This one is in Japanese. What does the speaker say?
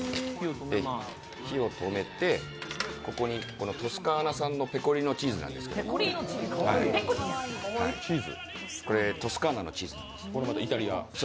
火を止めて、ここにトスカーナ産のペコリーノチーズなんですけど、これトスカーナのチーズなんです。